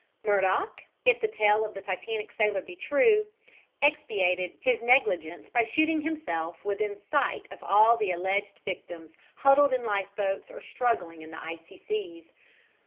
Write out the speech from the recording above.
Murdock, if the tale of the Titanic sailor be true, expiated his negligence by shooting himself within sight of all alleged victims huddled in life boats or struggling in the icy seas.